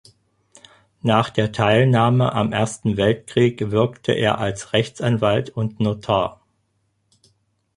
Nach der Teilnahme am Ersten Weltkrieg wirkte er als Rechtsanwalt und Notar.